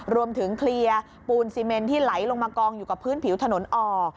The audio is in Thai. รวมถึงเคลียร์ปูนซีเมนที่ไหลลงมากองอยู่กับพื้นผิวถนนออก